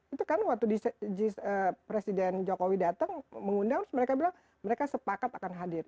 itu kan waktu presiden jokowi datang mengundang mereka bilang mereka sepakat akan hadir